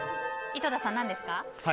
井戸田さん、何ですか？